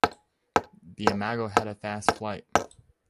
The Imago had a fast flight.